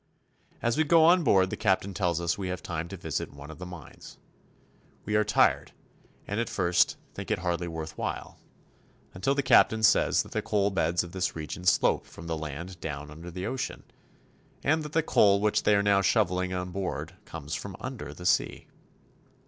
As we go on board the captain tells us we have time to visit one of the mines. We are tired,' and at first think it 146 CHILE. hardly worth while, until the captain says that the coal beds of this region slope from the land down under the ocean, and that the coal which they are now shoveling on board comes from under the sea.